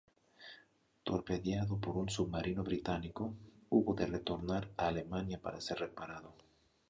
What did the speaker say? Torpedeado por un submarino británico, hubo de retornar a Alemania para ser reparado.